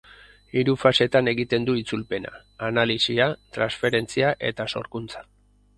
Hiru fasetan egiten du itzulpena: analisia, transferentzia eta sorkuntza.